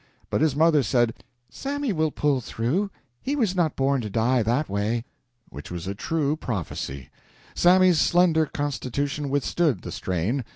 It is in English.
But his mother said: "Sammy will pull through. He was not born to die that way." Which was a true prophecy. Sammy's slender constitution withstood the strain.